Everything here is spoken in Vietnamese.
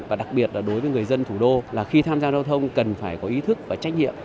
và đặc biệt là đối với người dân thủ đô là khi tham gia giao thông cần phải có ý thức và trách nhiệm